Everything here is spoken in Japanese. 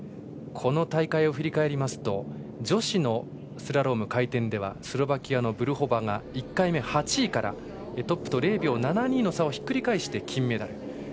この大会を振り返りますと女子のスラローム回転ではスロバキアのブルホバーが１回目８位からトップと０秒７２の差をひっくり返して金メダル。